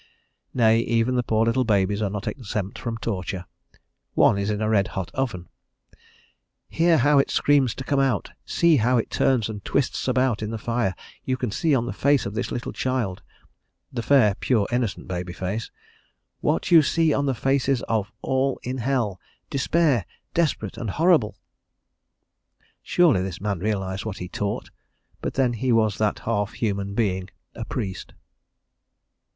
Nay, even the poor little babies are not exempt from torture: one is in a red hot oven, "hear how it screams to come out; see how it turns and twists about in the fire.... You can see on the face of this little child" the fair pure innocent baby face "what you see on the faces of all in hell despair, desperate and horrible." Surely this man realized what he taught, but then he was that half human being a priest.